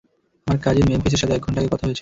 আমার কাজিন মেম্ফিসের সাথে এক ঘন্টা আগে কথা হয়েছে!